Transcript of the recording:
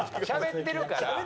しゃべってるから。